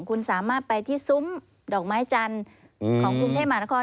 คุณสามารถไปที่ซุ้มดอกไม้จันทร์ของกรุงเทพมหานคร